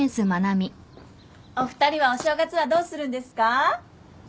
お二人はお正月はどうするんですか？